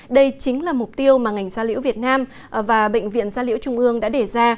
đây chính là mục tiêu mà ngành gia liễu việt nam và bệnh viện gia liễu trung ương đã đề ra